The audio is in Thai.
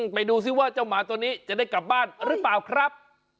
ไปดูซิว่าเจ้าหมาตัวนี้จะได้กลับบ้านหรือเปล่าครับ